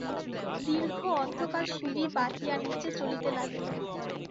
দীর্ঘ অন্ধকার সিঁড়ি বাহিয়া নীচে চলিতে লাগিল।